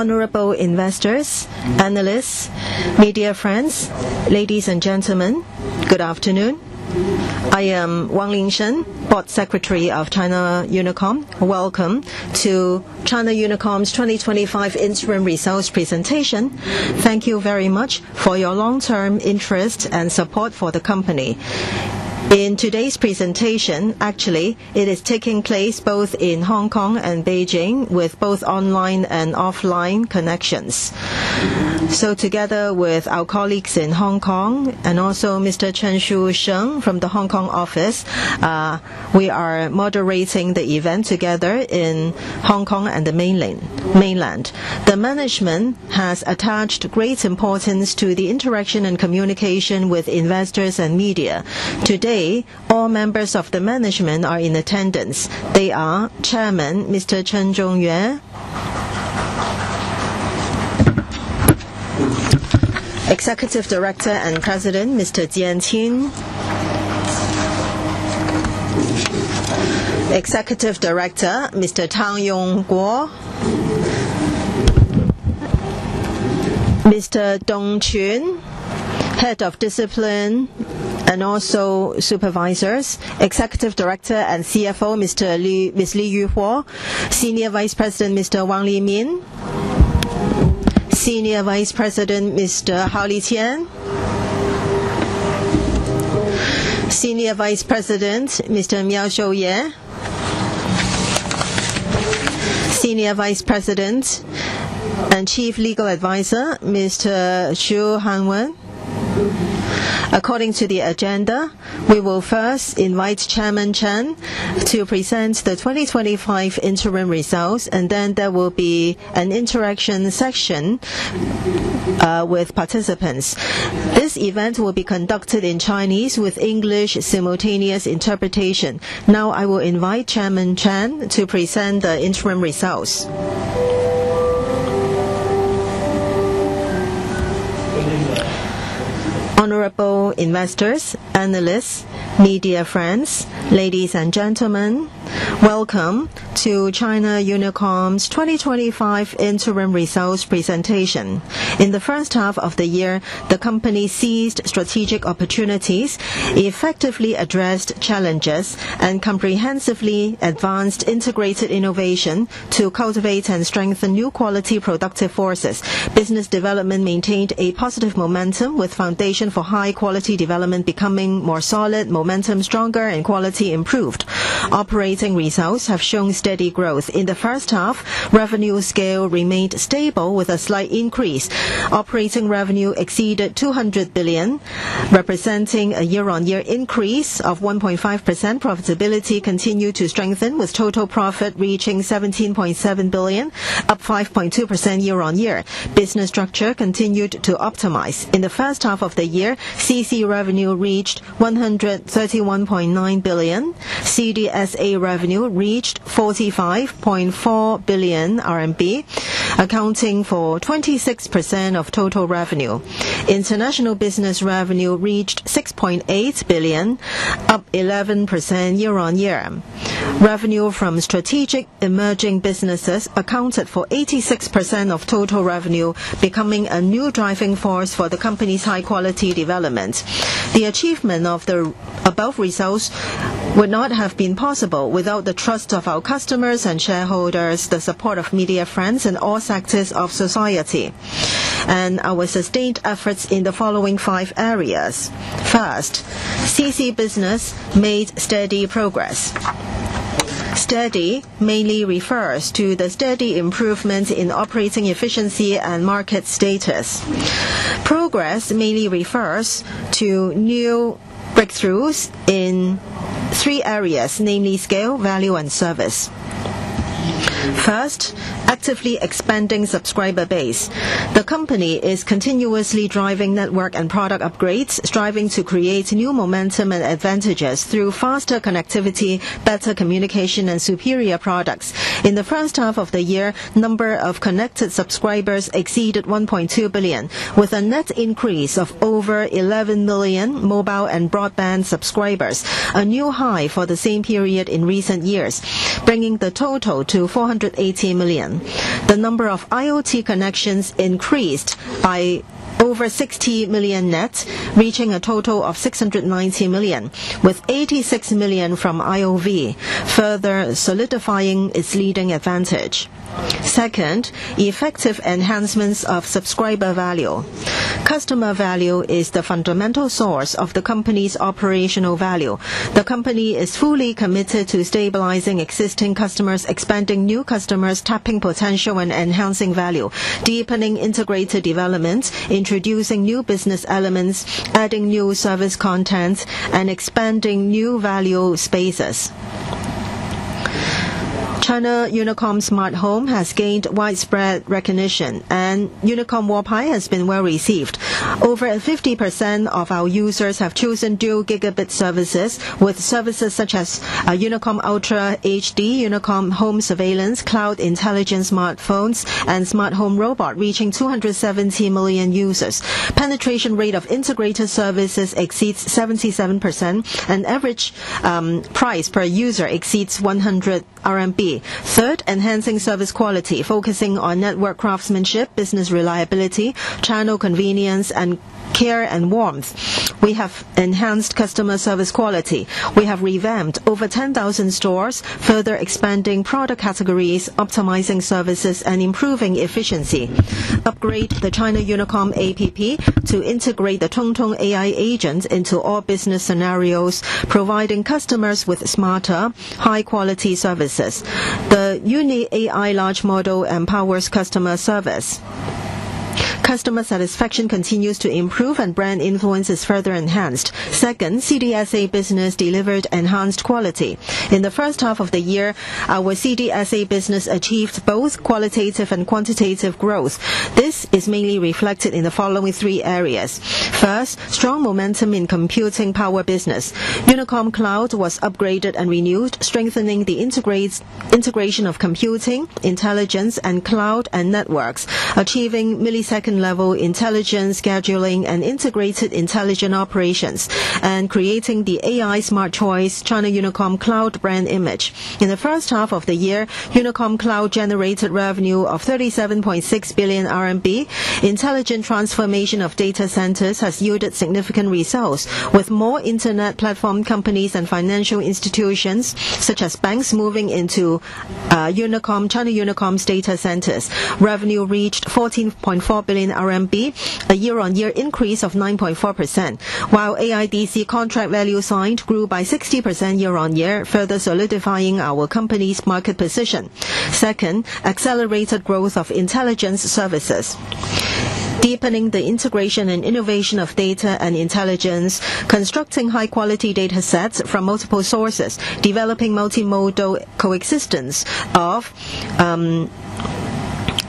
Honorable investors, panelists, media friends, ladies and gentlemen, good afternoon. I am Wang Lingshen, Board Secretary of China Unicom. Welcome to China Unicom's 2025 Interim Results presentation. Thank you very much for your long-term interest and support for the company. In today's presentation, it is taking place both in Hong Kong and Beijing, with both online and offline connections. Together with our colleagues in Hong Kong and also Mr. Chen Shusheng from the Hong Kong office, we are moderating the event together in Hong Kong and the mainland. The management has attached great importance to the interaction and communication with investors and media. Today, all members of the management are in attendance. They are Chairman Mr. Chen Zhongyue, Executive Director and President Mr. Jian Qin, Executive Director Mr. Tang Yongbo, Mr. Dong Qun, Head of Discipline, and also Supervisors, Executive Director and CFO Mr. Li Yuzhuo, Senior Vice President Mr. Wang Limin, Senior Vice President Mr. Hao Liqian, Senior Vice President Mr. Miao Shouye, Senior Vice President, and Chief Legal Advisor Mr. Zhu Hanwu. According to the agenda, we will first invite Chairman Chen to present the 2025 Interim Results, and then there will be an interaction section with participants. This event will be conducted in Chinese with English simultaneous interpretation. Now, I will invite Chairman Chen to present the Interim Results. Honorable investors, panelists, media friends, ladies and gentlemen, welcome to China Unicom's 2025 Interim Results Presentation. In the first half of the year, the company seized strategic opportunities, effectively addressed challenges, and comprehensively advanced integrated innovation to cultivate and strengthen new quality productive forces. Business development maintained a positive momentum, with the foundation for high-quality development becoming more solid, momentum stronger, and quality improved. Operating results have shown steady growth. In the first half, revenue scale remained stable with a slight increase. Operating revenue exceeded 200 billion, representing a year-on-year increase of 1.5%. Profitability continued to strengthen, with total profit reaching 17.7 billion, up 5.2% year-on-year. Business structure continued to optimize. In the first half of the year, CC revenue reached 131.9 billion, CDSA revenue reached 45.4 billion RMB, accounting for 26% of total revenue. International business revenue reached 6.8 billion, up 11% year-on-year. Revenue from strategic emerging businesses accounted for 86% of total revenue, becoming a new driving force for the company's high-quality development. The achievement of the above results would not have been possible without the trust of our customers and shareholders, the support of media friends, and all sectors of society, and our sustained efforts in the following five areas. First, CC business made steady progress. Steady mainly refers to the steady improvement in operating efficiency and market status. Progress mainly refers to new breakthroughs in three areas, namely scale, value, and service. First, actively expanding subscriber base. The company is continuously driving network and product upgrades, striving to create new momentum and advantages through faster connectivity, better communication, and superior products. In the first half of the year, the number of connected subscribers exceeded 1.2 billion, with a net increase of over 11 million mobile and broadband subscribers, a new high for the same period in recent years, bringing the total to 480 million. The number of IoT connections increased by the first half of the year, our CDSA business achieved both qualitative and quantitative growth. This is mainly reflected in the following three areas. First, strong momentum in computing power business. Unicom Cloud was upgraded and renewed, strengthening the integration of computing, intelligence, and cloud and networks, achieving millisecond-level intelligence scheduling and integrated intelligent operations, and creating the AI Smart Choice China Unicom Cloud brand image. In the first half of the year, Unicom Cloud generated revenue of 37.6 billion RMB. Intelligent transformation of data centers has yielded significant results, with more internet platform companies and financial institutions, such as banks, moving into China Unicom's data centers. Revenue reached 14.4 billion RMB, a year-on-year increase of 9.4%, while AIDC contract value signed grew by 60% year-on-year, further solidifying our company's market position. Second, accelerated growth of intelligence services, deepening the integration and innovation of data and intelligence, constructing high-quality data sets from multiple sources, developing multimodal coexistence of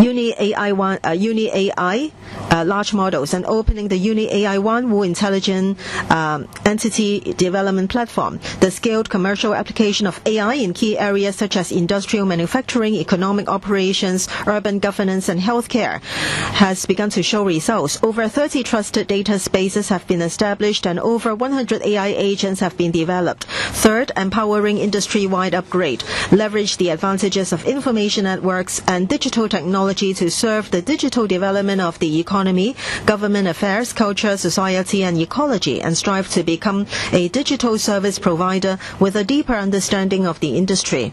UniAI large models, and opening the UniAI Wanwu Intelligent Entity Development Platform. The scaled commercial application of AI in key areas such as industrial manufacturing, economic operations, urban governance, and healthcare has begun to show results. Over 30 trusted data spaces have been established, and over 100 AI agents have been developed. Third, empowering industry-wide upgrade, leverage the advantages of information networks and digital technology to serve the digital development of the economy, government affairs, culture, society, and ecology, and strive to become a digital service provider with a deeper understanding of the industry.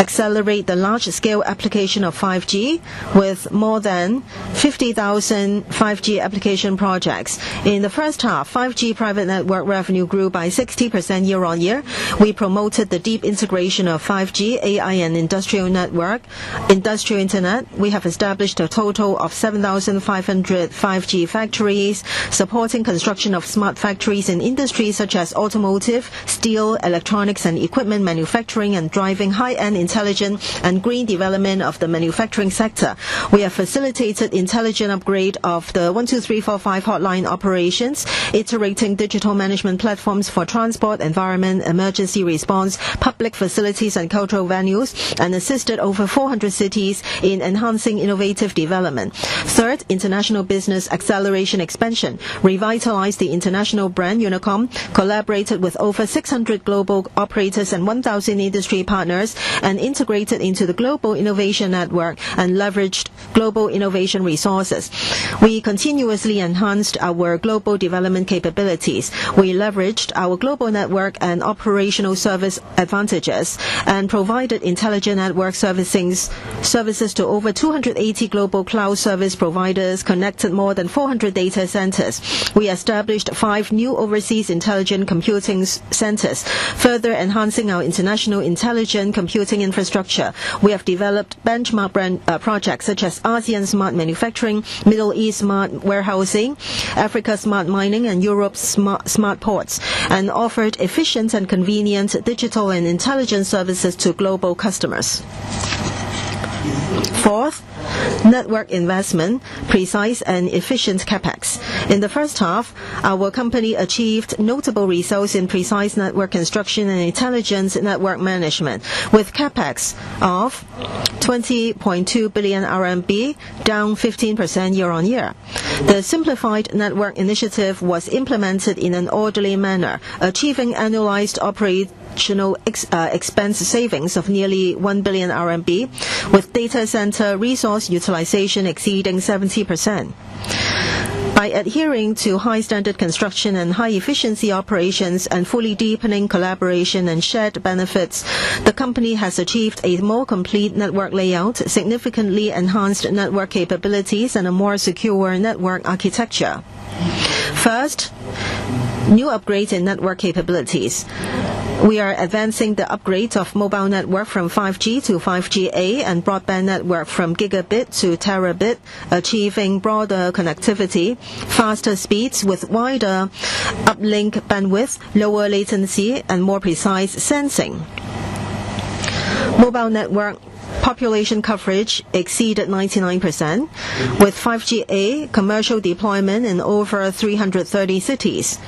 Accelerate the large-scale application of 5G, with more than 50,000 5G application projects. In the first half, 5G private network revenue grew by 60% year-on-year. We promoted the deep integration of 5G, AI, and industrial network, industrial internet. We have established a total of 7,500 5G factories, supporting construction of smart factories in industries such as automotive, steel, electronics, and equipment manufacturing, and driving high-end intelligence and green development of the manufacturing sector. We have facilitated intelligent upgrade of the 12345 hotline operations, iterating digital management platforms for transport, environment, emergency response, public facilities, and cultural venues, and assisted over 400 cities in enhancing innovative development. Third, international business acceleration expansion, revitalized the international brand UniCom, collaborated with over 600 global operators and 1,000 industry partners, and integrated into the global innovation network and leveraged global innovation resources. We continuously enhanced our global development capabilities. We leveraged our global network and operational service advantages and provided intelligent network services to over 280 global cloud service providers, connected more than 400 data centers. We established five new overseas intelligent computing centers, further enhancing our international intelligent computing infrastructure. We have developed benchmark projects such as ASEAN smart manufacturing, Middle East smart warehousing, Africa smart mining, and Europe smart ports, and offered efficient and convenient digital and intelligence services to global customers. Fourth, network investment, precise and efficient CapEx. In the first half, our company achieved notable results in precise network construction and intelligence network management, with CapEx of 20.2 billion RMB, down 15% year-on-year. The simplified network initiative was implemented in an orderly manner, achieving annualized operational expense savings of nearly RMB 1 billion, with data center resource utilization exceeding 70%. By adhering to high-standard construction and high-efficiency operations and fully deepening collaboration and shared benefits, the company has achieved a more complete network layout, significantly enhanced network capabilities, and a more secure network architecture. First, new upgrades in network capabilities. We are advancing the upgrades of mobile network from 5G to 5G-A and broadband network from gigabit to terabit, achieving broader connectivity, faster speeds with wider uplink bandwidth, lower latency, and more precise sensing. Mobile network population coverage exceeded 99%, with 5G-A commercial deployment in over 330 cities.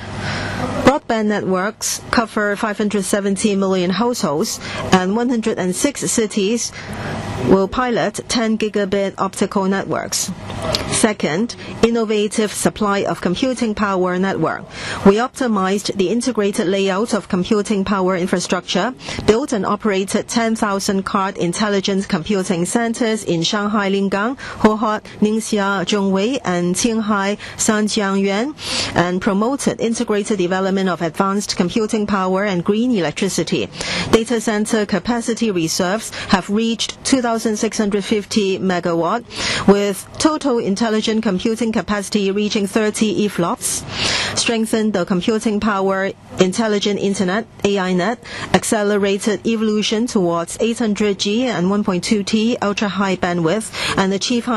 Broadband networks cover 570 million households, and 106 cities will pilot 10 Gb optical networks. Second, innovative supply of computing power network. We optimized the integrated layout of computing power infrastructure, built and operated 10,000-card intelligent computing centers in Shanghai Lingang, Hohhot, Ningxia Zhongwei, and Qinghai Sanjiangyuan, and promoted integrated development of advanced computing power and green electricity. Data center capacity reserves have reached 2,650 MW, with total intelligent computing capacity reaching 30 EFLOPS. We strengthened the computing power intelligent internet, AINet, accelerated evolution towards 800G and 1.2T ultra-high bandwidth, and achieved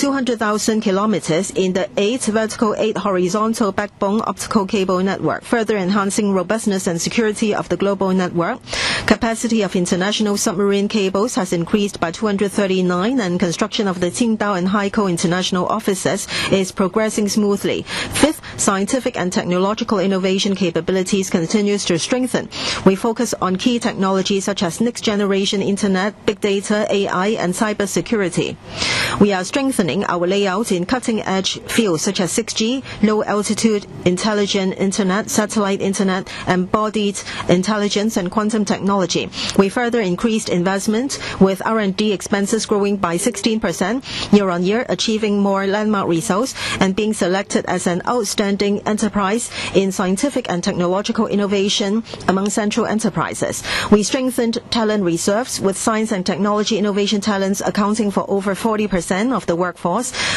high-speed, secure, and lossless interconnection among computing power hub nodes. Third, strong and well-connected network. We have 200,000 kilometers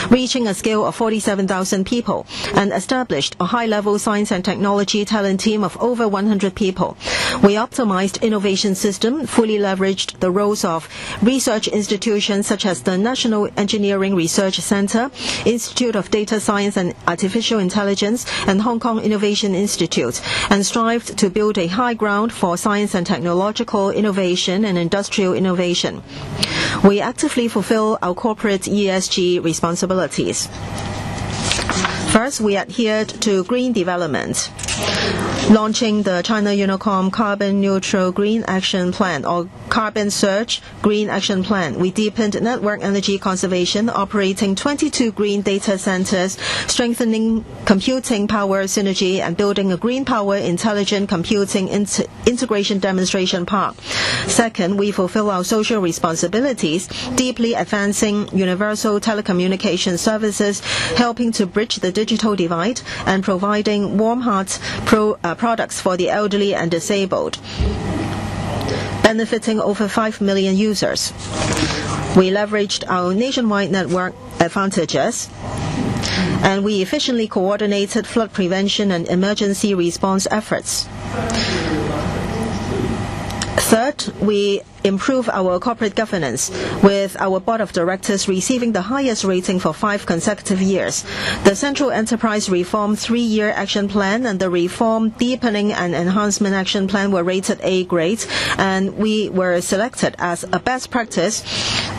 reaching a scale of 47,000 people, and established a high-level science and technology talent team of over 100 people. We optimized innovation systems, fully leveraged the roles of research institutions such as the National Engineering Research Centre, Institute of Data Science and Artificial Intelligence, and Hong Kong Innovation Institute, and strived to build a high ground for science and technological innovation and industrial innovation. We actively fulfill our corporate ESG responsibilities. First, we adhered to green development, launching the China Unicom Carbon Neutral Green Action Plan or Carbon Search Green Action Plan. We deepened network energy conservation, operating 22 green data centers, strengthening computing power synergy, and building a green power intelligent computing integration demonstration park. Second, we fulfill our social responsibilities, deeply advancing universal telecommunication services, helping to bridge the digital divide, and providing warm hot products for the elderly and disabled, benefiting over 5 million users. We leveraged our nationwide network advantages, and we efficiently coordinated flood prevention and emergency response efforts. Third, we improved our corporate governance, with our Board of Directors receiving the highest rating for five consecutive years. The Central Enterprise Reform Three-Year Action Plan and the Reform Deepening and Enhancement Action Plan were rated A grade, and we were selected as a best practice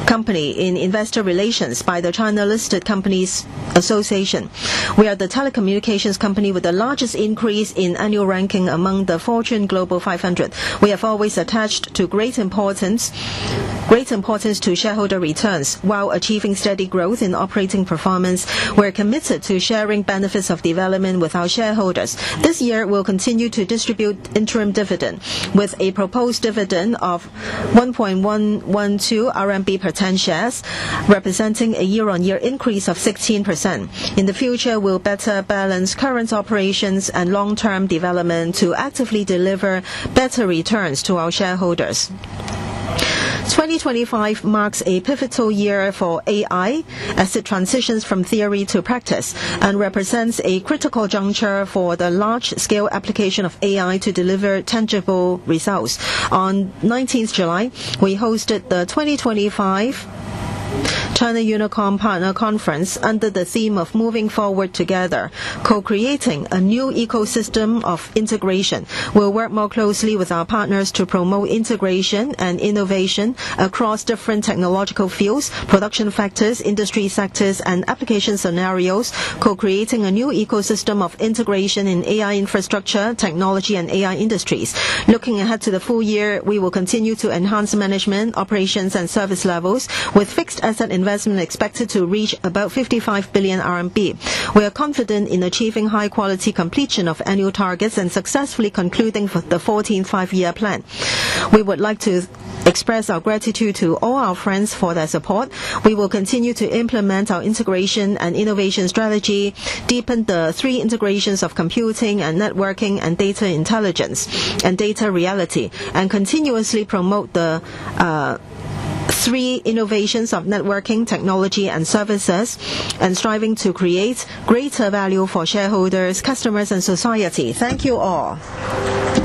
company in investor relations by the China Listed Companies Association. We are the telecommunications company with the largest increase in annual ranking among the Fortune Global 500. We have always attached great importance to shareholder returns while achieving steady growth in operating performance. We're committed to sharing benefits of development with our shareholders. This year, we'll continue to distribute interim dividend, with a proposed dividend of 1.112 RMB per 10 shares, representing a year-on-year increase of 16%. In the future, we'll better balance current operations and long-term development to actively deliver better returns to our shareholders. 2025 marks a pivotal year for AI as it transitions from theory to practice and represents a critical juncture for the large-scale application of AI to deliver tangible results. On July 19th, we hosted the 2025 China Unicom Partner Conference under the theme of Moving Forward Together, co-creating a new ecosystem of integration. We'll work more closely with our partners to promote integration and innovation across different technological fields, production factors, industry sectors, and application scenarios, co-creating a new ecosystem of integration in AI infrastructure, technology, and AI industries. Looking ahead to the full year, we will continue to enhance management, operations, and service levels, with fixed asset investment expected to reach about 55 billion RMB. We are confident in achieving high-quality completion of annual targets and successfully concluding the 14th Five Year Plan. We would like to express our gratitude to all our friends for their support. We will continue to implement our integration and innovation strategy, deepen the three integrations of computing and networking and data intelligence and data reality, and continuously promote the three innovations of networking, technology, and services, striving to create greater value for shareholders, customers, and society. Thank you all.